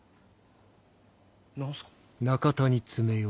何すか？